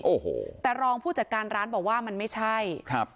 โอ้โหแต่รองผู้จัดการร้านบอกว่ามันไม่ใช่ครับ